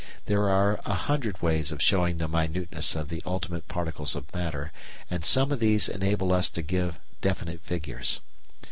There are a hundred ways of showing the minuteness of the ultimate particles of matter, and some of these enable us to give definite figures.